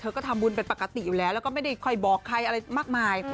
ก็ทำบุญเป็นปกติอยู่แล้วแล้วก็ไม่ได้ค่อยบอกใครอะไรมากมาย